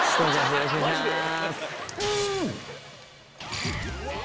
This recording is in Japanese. よろしくお願いします。